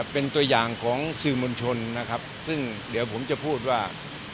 เป็นตัวอย่างของสื่อมวลชนนะครับซึ่งเดี๋ยวผมจะพูดว่า